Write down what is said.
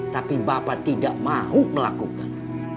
tapi bapak tidak mau melakukan